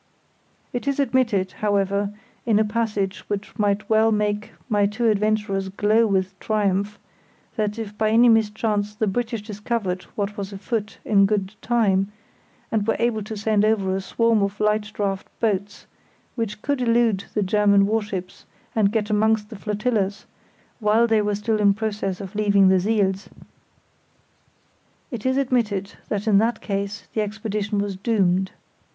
It is admitted, however, in a passage which might well make my two adventurers glow with triumph, that if by any mischance the British discovered what was afoot in good time, and were able to send over a swarm of light draught boats, which could elude the German warships and get amongst the flotillas while they were still in process of leaving the siels; it is admitted that in that case the expedition was doomed.